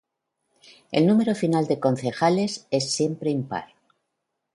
El número final de concejales es siempre impar.